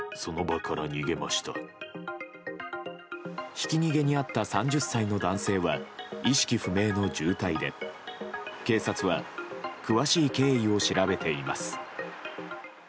ひき逃げに遭った３０歳の男性は意識不明の重体で警察は詳しい経緯を調べています。